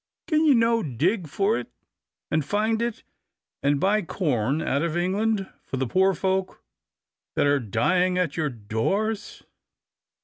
can you no dig for it, and find it, and buy corn out of England for the poor folk that are dying at your doors?